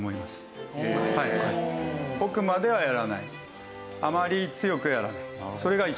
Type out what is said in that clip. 奥まではやらない。